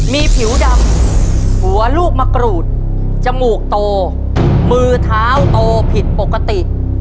มีผิวดำหัวลูกมะกรูดจมูกโตมือเท้าโตผิดปกติ